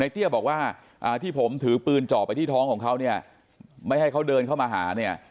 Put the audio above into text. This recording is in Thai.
เตี้ยบอกว่าที่ผมถือปืนเจาะไปที่ท้องของเขาเนี่ยไม่ให้เขาเดินเข้ามาหาเนี่ย